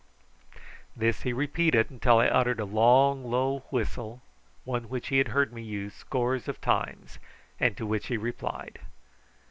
This he repeated till I uttered a low long whistle, one which he had heard me use scores of times, and to which he replied.